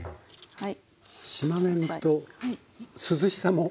はい。